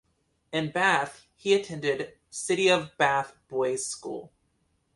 In Bath, he attended City of Bath Boys' School.